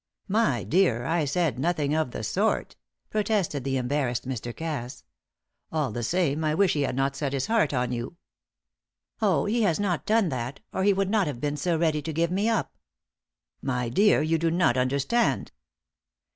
"My dear, I said nothing of the sort," protested the embarrassed Mr. Cass. "All the same, I wish he had not set his heart on you." "Oh, he has not done that, or he would not have been so ready to give me up." "My dear, you do not understand."